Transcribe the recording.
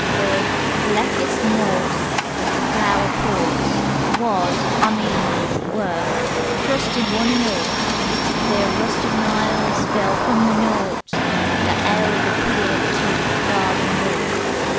"Wiv' blekest morss the flower ports Was I mean were crusted one and orl; Ther rusted niles fell from the knorts That 'eld the pear to the garden worll.